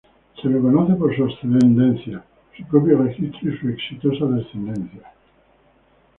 Se le conoce por su ascendencia, su propio registro, y su exitosa descendencia.